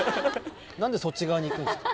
何でそっち側にいくんすか？